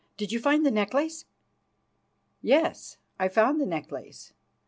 "Did you find the necklace?" "Yes, I found the necklace.